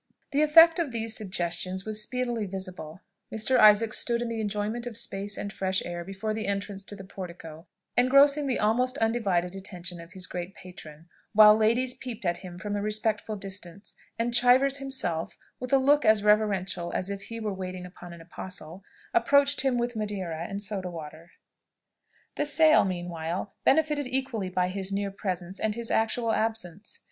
The effect of these suggestions was speedily visible; Mr. Isaacs stood in the enjoyment of space and fresh air before the entrance to the portico, engrossing the almost undivided attention of his great patron, while ladies peeped at him from a respectful distance; and Chivers himself, with a look as reverential as if he were waiting upon an apostle, approached him with Madeira and soda water. The sale, meanwhile, benefited equally by his near presence and his actual absence.